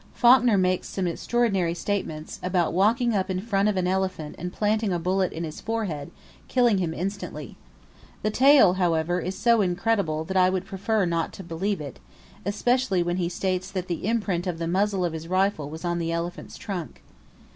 Faulkner makes some extraordinary statements, about walking up in front of an elephant and planting a bullet in his forehead, killing him instantly. The tale, however, is so incredible that I would prefer not to believe it; especially when he states that the imprint of the muzzle of his rifle was on the elephant's trunk.